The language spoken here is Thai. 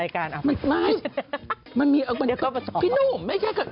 กะตะมาเฉยเลย